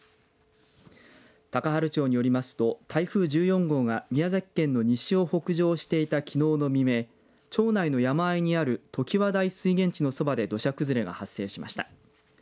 高原町によりますと台風１４号が宮崎県の西を北上していたきのうの未明町内の山あいにある常盤台水源地のそばで土砂崩れが発生しました。